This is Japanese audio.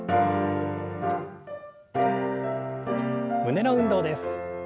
胸の運動です。